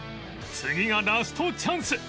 次がラストチャンス